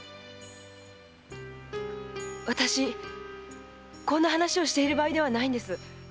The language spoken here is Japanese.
私こんな話をしている場合ではないんです！